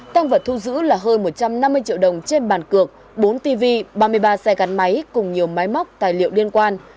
tăng vật thu giữ là hơn một trăm năm mươi triệu đồng trên bàn cược bốn tv ba mươi ba xe gắn máy cùng nhiều máy móc tài liệu liên quan